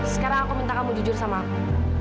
sekarang aku minta kamu jujur sama aku